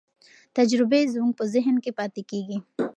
تجربې زموږ په ذهن کې پاتې کېږي.